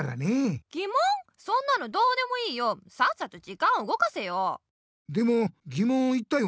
そんなのどうでもいいよさっさと時間をうごかせよ。